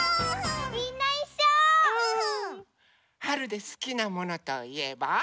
はるですきなものといえば？